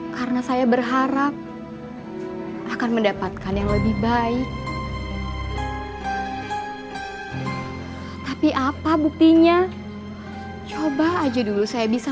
karena saya berharap akan mendapatkan yang lebih baik tapi apa buktinya coba aja dulu saya bisa